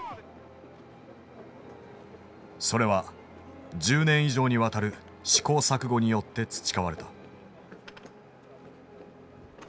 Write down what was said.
それは１０年以上にわたる試行錯誤によって培われた。